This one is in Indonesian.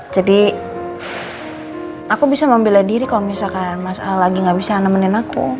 jadi aku bisa membela diri kalau misalkan mas ala lagi gak bisa nemenin aku